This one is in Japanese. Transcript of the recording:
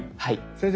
先生